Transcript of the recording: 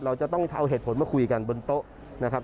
เราจะต้องเอาเหตุผลมาคุยกันบนโต๊ะนะครับ